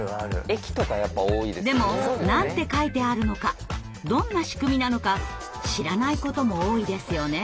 でも何て書いてあるのかどんな仕組みなのか知らないことも多いですよね。